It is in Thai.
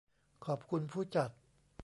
ขอบคุณผู้จัด